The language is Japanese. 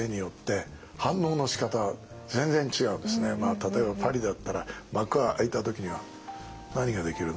例えばパリだったら幕が開いた時には「何ができるの？